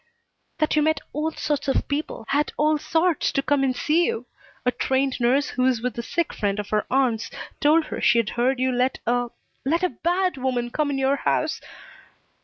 "That you met all sorts of people, had all sorts to come and see you. A trained nurse who is with a sick friend of her aunt's told her she'd heard you let a let a bad woman come in your house."